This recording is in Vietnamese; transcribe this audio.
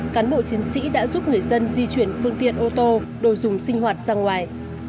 cán bộ chiến sĩ đã giúp người dân di chuyển phương tiện ô tô đồ dùng sinh hoạt ra ngoài